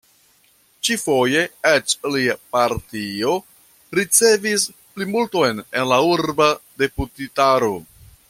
Ĉi-foje eĉ lia partio ricevis plimulton en la urba deputitaro.